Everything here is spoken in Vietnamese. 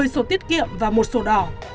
một mươi sổ tiết kiệm và một sổ đỏ